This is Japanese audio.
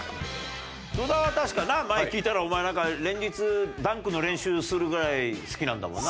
野田は確かな前聞いたらお前なんか連日ダンクの練習するぐらい好きなんだもんな。